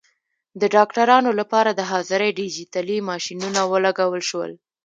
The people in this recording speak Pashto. د ډاکټرانو لپاره د حاضرۍ ډیجیټلي ماشینونه ولګول شول.